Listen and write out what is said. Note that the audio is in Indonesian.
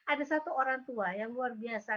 ada satu orang tua yang luar biasa